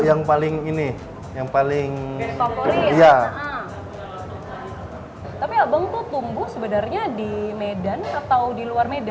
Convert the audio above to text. yang paling ini yang paling favorit tapi abang tuh tumbuh sebenarnya di medan atau di luar medan